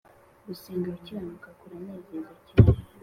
gusenga ukiranuka kuranezeza cyane